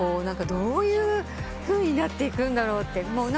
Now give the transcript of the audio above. どういうふうになっていくんだろうって。